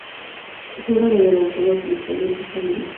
Juega de delantero y actualmente está libre.